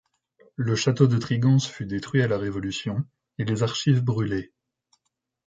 Le château de Trigance fut détruit à la révolution et les archives brûlées.